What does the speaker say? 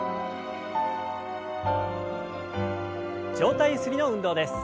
上体ゆすりの運動です。